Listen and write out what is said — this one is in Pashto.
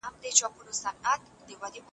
متلونه بې کلتوره نه دي.